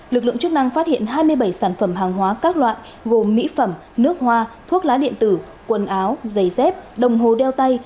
lực lượng chức năng phát hiện hai mươi bảy sản phẩm hàng hóa các loại gồm mỹ phẩm nước hoa thuốc lá điện tử quần áo giày dép đồng hồ đeo tay